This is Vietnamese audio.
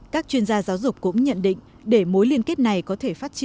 các chuyên gia giáo dục cũng nhận định để mối liên kết này có thể phát triển